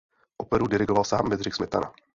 Operu dirigoval sám Bedřich Smetana.